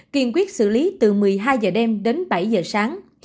kiên quyết xử lý từ một mươi hai h đêm đến bảy h sáng